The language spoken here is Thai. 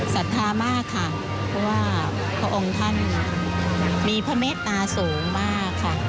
สัดธามมากค่ะเพราะว่าพระองค์ท่านมีพเมธาสูงมาก